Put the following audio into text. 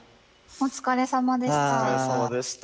お疲れさまでした。